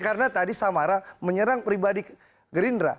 karena tadi samara menyerang pribadi gerindra